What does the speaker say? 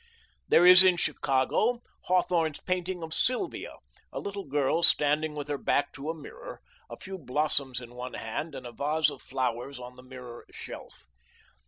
There is in Chicago, Hawthorne's painting of Sylvia: a little girl standing with her back to a mirror, a few blossoms in one hand and a vase of flowers on the mirror shelf.